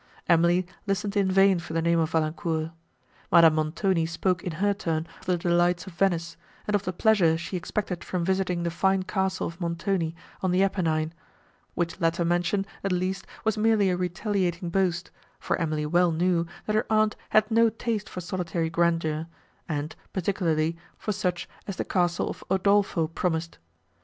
Emily listened in vain for the name of Valancourt. Madame Montoni spoke in her turn of the delights of Venice, and of the pleasure she expected from visiting the fine castle of Montoni, on the Apennine; which latter mention, at least, was merely a retaliating boast, for Emily well knew, that her aunt had no taste for solitary grandeur, and, particularly, for such as the castle of Udolpho promised.